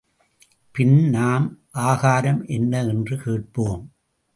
பின் நாம் ஆகாரம் என்ன —என்று கேட்போம்.